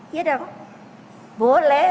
iya dong boleh